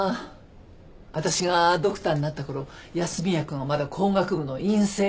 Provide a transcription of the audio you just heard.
私がドクターになった頃安洛くんはまだ工学部の院生で。